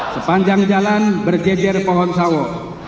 sepanjang jalan bergejer pohon sawo